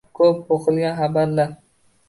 Ko‘p o‘qilgan xabarlar